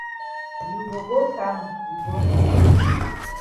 You go go kam we go nor.